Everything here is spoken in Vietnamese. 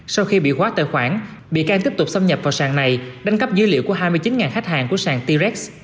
sau khi bị hóa tài khoản bị can tiếp tục xâm nhập vào trang này đánh cắp dữ liệu của hai mươi chín khách hàng của trang t rex